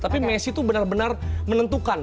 tapi messi itu benar benar menentukan